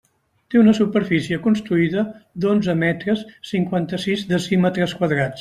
Té una superfície construïda d'onze metres, cinquanta-sis decímetres quadrats.